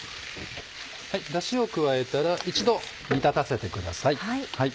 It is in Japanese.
ダシを加えたら一度煮立たせてください。